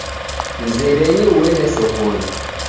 Mzerenyi uende sokonyi